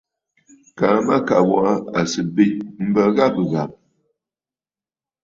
Kaa mâkàbə̀ wa à sɨ̀ bê m̀bə ghâbə̀ ghâbə̀.